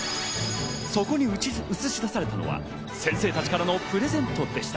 そこに映し出されたのは先生たちからのプレゼントでした。